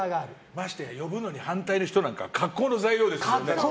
ましてや呼ぶのに反対な人なんて格好の材料ですよね。